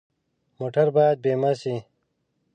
موټر باید بیمه شي.